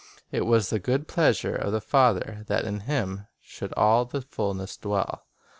"It was the good pleasure of the Father that in Him should all the fulness dwell."